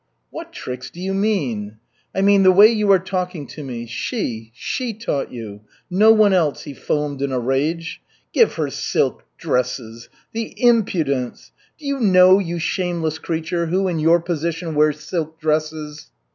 "What tricks do you mean?" "I mean the way you are talking to me. She, she taught you. No one else!" he foamed in a rage. "Give her silk dresses! The impudence! Do you know, you shameless creature, who in your position wears silk dresses?"